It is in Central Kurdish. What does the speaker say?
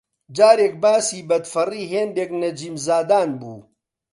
جارێک باسی بەدفەڕی هێندێک نەجیمزادان بوو